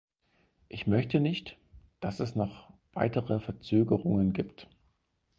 Ich möchte nicht, dass es noch weitere Verzögerungen gibt.